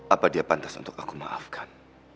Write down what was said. apa dia pantas untuk aku maafkan